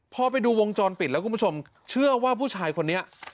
พอไปดูวงจรปิดแล้วคุณผู้ชมเชื่อว่าผู้ชายคนนี้